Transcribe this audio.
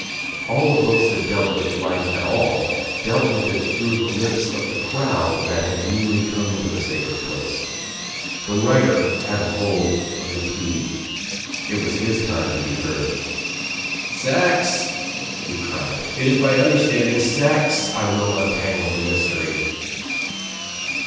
All the books that dealt with life at all dealt with it through the lips of the crowd that had newly come into the sacred place. The writer had hold of the key. It was his time to be heard. "Sex," he cried. "It is by understanding sex I will untangle the mys tery."